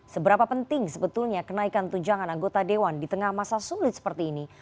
seberapa penting sebetulnya kenaikan tunjangan anggota dewan di tengah masa sulit seperti ini